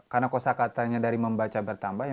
karena kosa katanya dari membaca bertambah